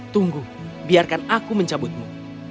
tunggu biarkan aku mencabutmu